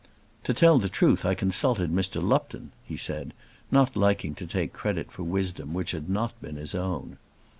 "To tell the truth I consulted Mr. Lupton," he said, not liking to take credit for wisdom which had not been his own.